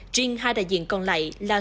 trên hai đại diện còn lại là